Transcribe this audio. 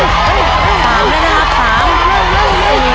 ผมนี่พ่อไวมากเลยอะ